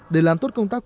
để làm tốt công tác cấp